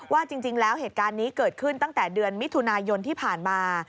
ว่าจริงแล้วเหตุการณ์นี้เกิดขึ้นตั้งแต่เดือนมิถุนายนที่ผ่านมา